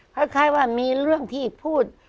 คล้ายว่ามีเรื่องที่พูด